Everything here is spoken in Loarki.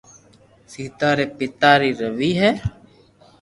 سيتا ري پيتا ري روي ھي